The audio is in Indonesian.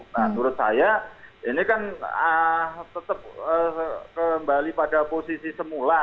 nah menurut saya ini kan tetap kembali pada posisi semula